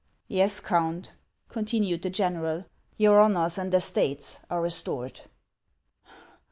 " Yes, Count," continued the general ;" your honors and estates are restored."